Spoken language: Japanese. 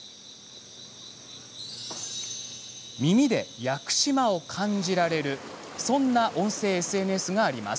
耳で屋久島を感じられるそんな音声ＳＮＳがあります。